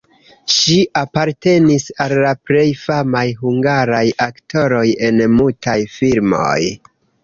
Ŝi apartenis al la plej famaj hungaraj aktoroj en mutaj filmoj.